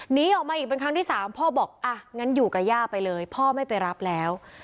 หนีออกมาอีกเป็นครั้งที่สามพ่อบอกอ่ะงั้นอยู่กับย่าไปเลยพ่อไม่ไปรับแล้ว